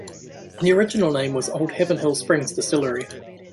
The original name was "Old Heavenhill Springs" distillery.